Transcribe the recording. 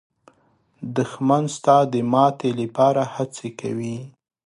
دښمن ستا د ماتې لپاره هڅې کوي